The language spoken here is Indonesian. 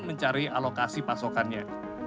mencari alokasi pasokannya